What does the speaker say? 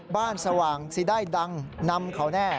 สว่างสิได้ดังนำเขาแน่